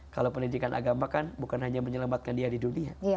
kalau pendidikan agama kan bukan hanya menyelamatkan dia di dunia